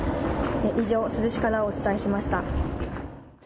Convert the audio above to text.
以上、珠洲市からお伝えしました。